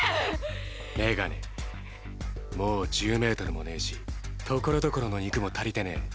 メガネもう１０ｍもねぇしところどころの肉も足りてねぇ。